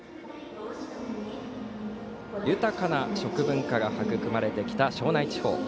豊かな食文化が育まれてきた庄内地方。